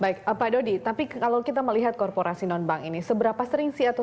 baik pak dodi tapi kalau kita melihat korporasi non bank ini seberapa sering sih atau